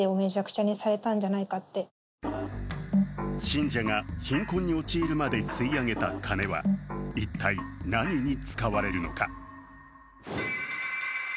信者が貧困に陥るまで吸い上げた金は一体何に使われるのか。